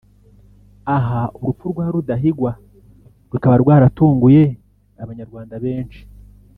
Aha urupfu rwa Rudahigwa rukaba rwaratunguye Abanyarwanda benshi